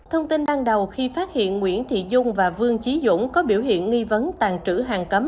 thông tin ban đầu khi phát hiện nguyễn thị dung và vương trí dũng có biểu hiện nghi vấn tàn trữ hàng cấm